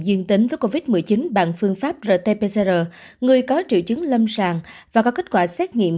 dương tính với covid một mươi chín bằng phương pháp rt pcr người có triệu chứng lâm sàng và có kết quả xét nghiệm